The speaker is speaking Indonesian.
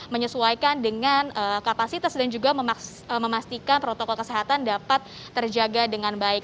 menyesuaikan dengan kapasitas dan juga memastikan protokol kesehatan dapat terjaga dengan baik